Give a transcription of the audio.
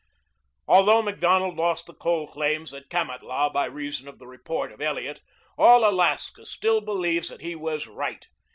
Although Macdonald lost the coal claims at Kamatlah by reason of the report of Elliot, all Alaska still believes that he was right.